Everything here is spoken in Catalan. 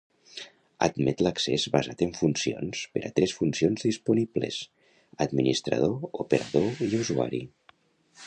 Admet l'accés basat en funcions per a tres funcions disponibles: Administrador, Operador i Usuari.